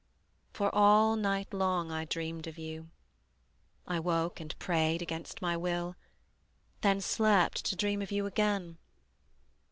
For all night long I dreamed of you: I woke and prayed against my will, Then slept to dream of you again.